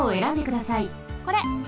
これ。